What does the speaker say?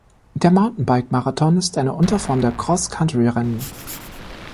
Der Mountainbike-Marathon ist eine Unterform der Cross-Country-Rennen.